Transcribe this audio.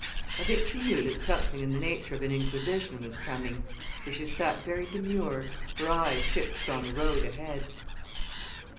I think she knew that something in the nature of an inquisition was coming, for she sat very demure, her eyes fixed on the road ahead.